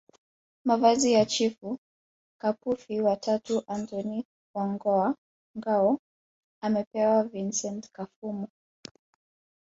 Mavazi ya Chifu Kapufi wa tatu Antony wa Ngao amepewa Vicent Kafumu